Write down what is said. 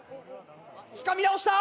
つかみ直した。